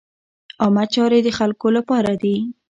عامه چارې د خلکو له پاره دي.